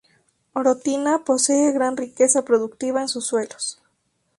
Orotina posee gran riqueza productiva en sus suelos.